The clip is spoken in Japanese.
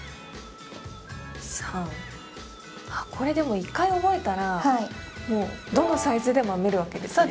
あっこれでも１回覚えたらどのサイズでも編めるわけですね。